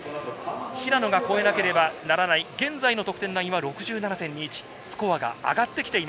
平野が超えなければならない現在の得点ラインは６７．２１。